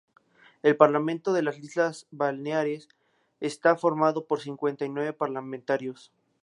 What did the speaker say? El Parlamento de las Islas Baleares está formado por cincuenta y nueve parlamentarios.